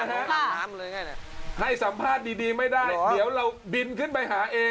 อาบน้ำเลยไงให้สัมภาษณ์ดีดีไม่ได้เดี๋ยวเราบินขึ้นไปหาเอง